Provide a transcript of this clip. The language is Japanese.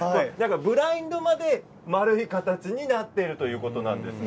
ブラインドまで丸い形になっているということなんですね。